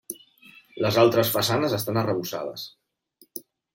Les altres façanes estan arrebossades.